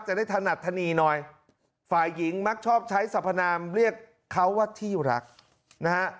ถนัดธนีหน่อยฝ่ายหญิงมักชอบใช้สัพนามเรียกเขาว่าที่รักนะฮะ